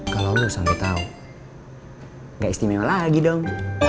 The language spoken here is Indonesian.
kalau lo sampe tau gak istimewa lagi dong